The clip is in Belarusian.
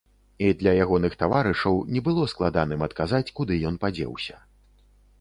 І для ягоных таварышаў не было складаным адказаць, куды ён падзеўся.